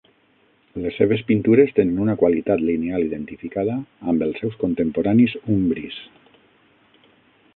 Les seves pintures tenen una qualitat lineal identificada amb els seus contemporanis umbris.